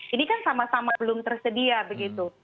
ini kan sama sama belum tersedia begitu